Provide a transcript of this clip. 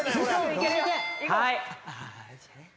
はい。